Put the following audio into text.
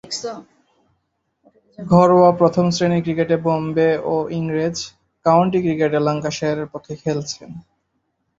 ঘরোয়া প্রথম-শ্রেণীর ক্রিকেটে বোম্বে ও ইংরেজ কাউন্টি ক্রিকেটে ল্যাঙ্কাশায়ারের পক্ষে খেলেছেন।